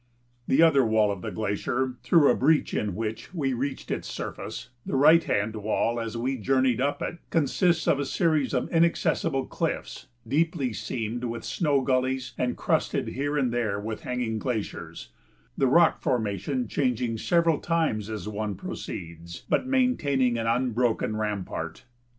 The other wall of the glacier, through a breach in which we reached its surface the right hand wall as we journeyed up it consists of a series of inaccessible cliffs deeply seamed with snow gullies and crusted here and there with hanging glaciers, the rock formation changing several times as one proceeds but maintaining an unbroken rampart.